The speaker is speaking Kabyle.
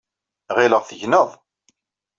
Ɣileɣ tegneḍ.